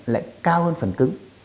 lại cao hơn phần cứng